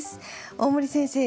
大森先生